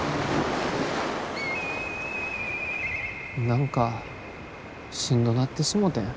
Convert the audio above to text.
何かしんどなってしもてん。